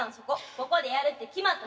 ここでやるって決まった時から。